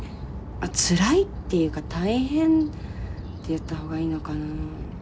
つらいっていうか大変って言った方がいいのかな。